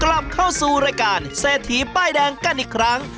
กลับเข้าสู่รายการเศรษฐีป้ายแดงกันอีกครั้ง